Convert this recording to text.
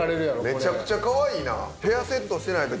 めちゃくちゃかわいい。